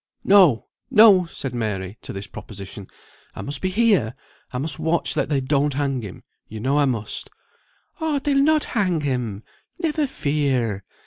"No! no!" said Mary, to this proposition. "I must be here, I must watch that they don't hang him, you know I must." "Oh! they'll not hang him! never fear!